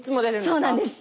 そうなんです。